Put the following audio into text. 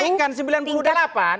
ini dia naikkan sembilan puluh delapan